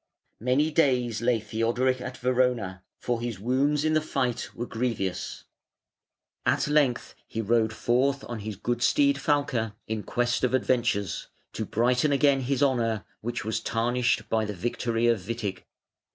Many days lay Theodoric at Verona, for his wounds in the fight were grevious. At length he rode forth on his good steed Falke, in quest of adventures, to brighten again his honour which was tarnished by the victory of Witig.